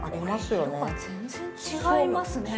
これ色が全然違いますね。